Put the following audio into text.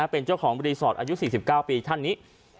เป็นเจ้าของรีสอร์ทอายุ๔๙ปีท่านนี้